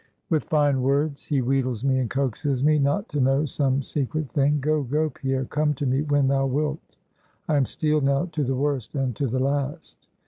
"With fine words he wheedles me, and coaxes me, not to know some secret thing. Go, go, Pierre, come to me when thou wilt. I am steeled now to the worst, and to the last.